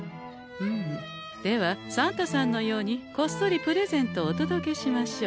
ふむではサンタさんのようにこっそりプレゼントをお届けしましょう。